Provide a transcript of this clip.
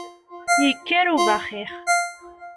Yekker ubaxix!